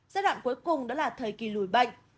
giai đoạn cuối cùng đó là thời kỳ lùi bệnh